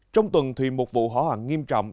trong tuần thuyền một vụ hỏa hoạn nghiêm trọng